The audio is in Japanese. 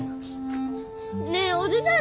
ねえおじさん